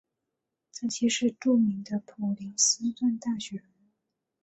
这些是著名的普林斯顿大学人物。